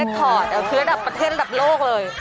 ถอดคือระดับประเทศระดับโลกเลย